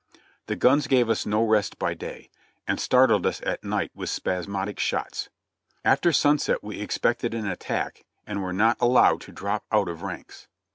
The guns gave us no rest by day, and startled us at night with spasmodic shots. After sunset we expected an attack and were not allowed to drop out of ranks.